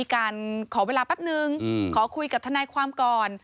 เขาก็ขอเวลาแปบนึงขอคุยกับทนความกร